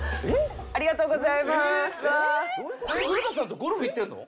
古田さんとゴルフ行ってるの？